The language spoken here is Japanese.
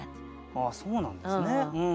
あっそうなんですね。